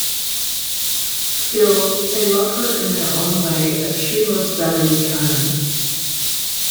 Still, they love her in their own way as she loves them in turn.